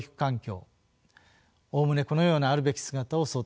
おおむねこのようなあるべき姿を想定しました。